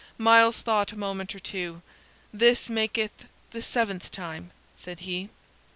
Myles thought a moment or two. "This maketh the seventh time," said he.